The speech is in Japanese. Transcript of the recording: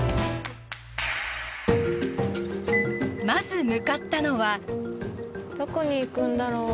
まず向かったのは。